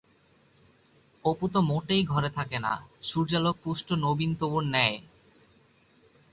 অপু তো মোটেই ঘরে থাকে না, সূর্যালোকপুষ্ট নবীন তবুর ন্যায়।